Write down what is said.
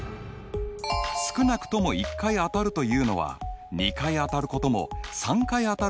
少なくとも１回当たるというのは２回当たることも３回当たることも含むよね。